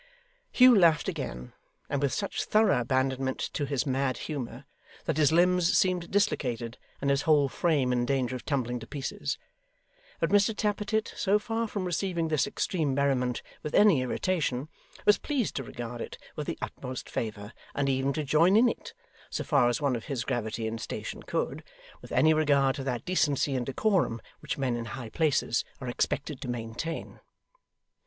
Hugh laughed again, and with such thorough abandonment to his mad humour, that his limbs seemed dislocated, and his whole frame in danger of tumbling to pieces; but Mr Tappertit, so far from receiving this extreme merriment with any irritation, was pleased to regard it with the utmost favour, and even to join in it, so far as one of his gravity and station could, with any regard to that decency and decorum which men in high places are expected to maintain.